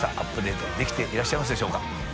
▲奪廛如璽できていらっしゃいますでしょうか。